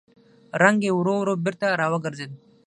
رنګ يې ورو ورو بېرته راوګرځېد.